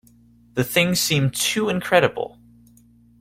The thing seemed too incredible.